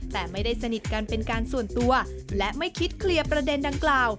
แต่ไม่ได้สนิทกันเป็นการส่วนตัวและไม่คิดเคลียร์ประเด็นดังกล่าว